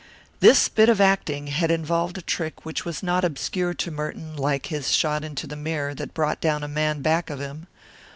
This bit of acting had involved a trick which was not obscure to Merton like his shot into the mirror that brought down a man back of him.